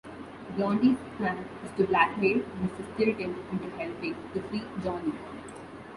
Blondie's plan is to blackmail Mr. Stilton into helping to free Johnny.